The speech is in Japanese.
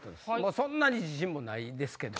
そんなに自信もないですけど。